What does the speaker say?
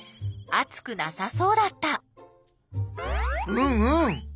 うんうん！